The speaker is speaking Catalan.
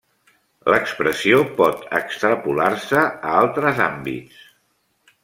L'expressió pot extrapolar-se a altres àmbits.